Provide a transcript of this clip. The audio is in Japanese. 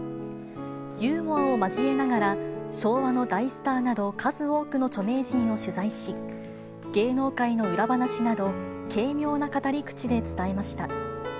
ユーモアを交えながら昭和の大スターなど数多くの著名人を取材し、芸能界の裏話など、軽妙な語り口で伝えました。